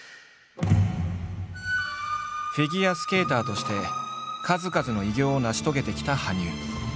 フィギュアスケーターとして数々の偉業を成し遂げてきた羽生。